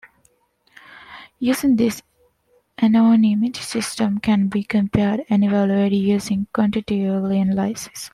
Using this anonymity systems can be compared and evaluated using a quantitatively analysis.